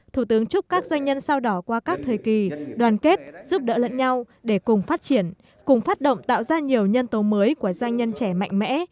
thủ tướng chúc các doanh nhân sao đỏ qua các thời kỳ đoàn kết giúp đỡ lẫn nhau để cùng phát triển cùng phát động tạo ra nhiều nhân tố mới của doanh nhân trẻ mạnh mẽ